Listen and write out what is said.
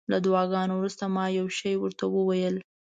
له دعاګانو وروسته ما یو شی ورته وویل.